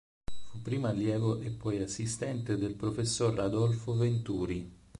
Fu prima allievo e poi assistente del professor Adolfo Venturi.